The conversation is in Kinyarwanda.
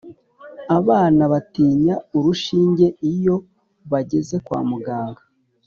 abana batinya urushinge iyo bageze kwamuganga